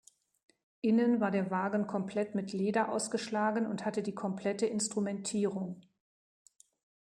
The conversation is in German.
Innen war der Wagen komplett mit Leder ausgeschlagen und hatte die komplette Instrumentierung.